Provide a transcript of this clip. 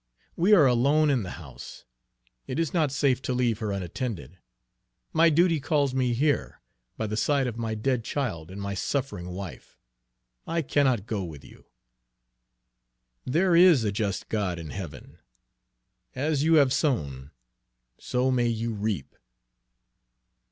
We are alone in the house. It is not safe to leave her unattended. My duty calls me here, by the side of my dead child and my suffering wife! I cannot go with you. There is a just God in heaven! as you have sown, so may you reap!"